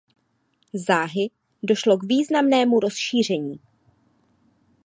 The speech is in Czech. Záhy došlo k významnému rozšíření.